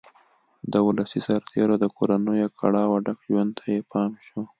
د ولسي سرتېرو د کورنیو کړاوه ډک ژوند ته یې پام شو